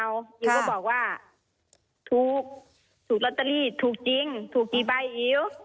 อิ๋วก็บอกว่าถูกถูกลอตเตอรี่ถูกจริงถูกกี่ใบอิ๋ว